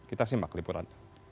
kita simak lipuran